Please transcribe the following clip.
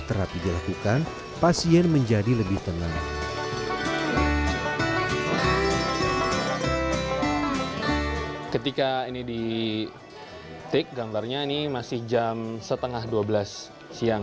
terapi dilakukan pasien menjadi lebih tenang ketika ini ditik gambarnya ini masih jam setengah dua belas siang